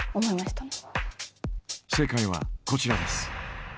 正解はこちらです。